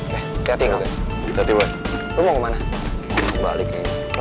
kelihatan kelihatan lu mau kemana balik